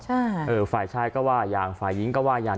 ใช่เออฝ่ายชายก็ว่าอย่างฝ่ายหญิงก็ว่าอย่าง